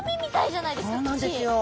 そうなんですよ。